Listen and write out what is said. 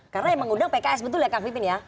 karena yang mengundang pks betul ya kak bipin ya